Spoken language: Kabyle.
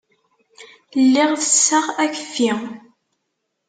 Lliɣ tesseɣ akeffi.